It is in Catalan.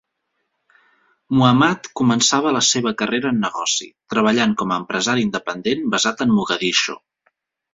Muhammad començava la seva carrera en negoci, treballant com a empresari independent basat en Mogadiscio.